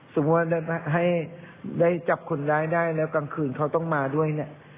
สมมุติว่าให้ได้จับคนร้ายได้แล้วกลางคืนเขาต้องมาด้วยเนี่ย